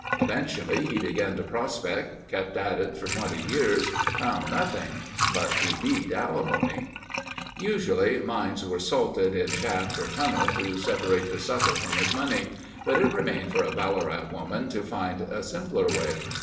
Eventually he began to prospect, kept at it for 20 years; found nothing, but he beat alimony. Usually mines were "salted" in shaft or tunnel to separate the sucker from his money, but it remained for a Ballarat woman to find a simpler way.